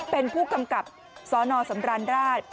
เป็นผู้กำกับสนสำราญราช